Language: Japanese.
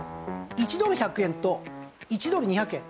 １ドル１００円と１ドル２００円